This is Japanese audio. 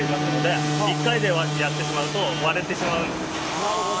あなるほど。